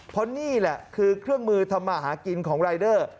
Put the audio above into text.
เพราะนี่แหละคือเครื่องมือทำมาหากินของรายเดอร์